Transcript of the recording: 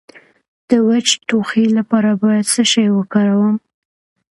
د وچ ټوخي لپاره باید څه شی وکاروم؟